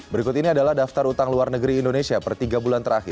berikut ini adalah daftar utang luar negeri indonesia per tiga bulan terakhir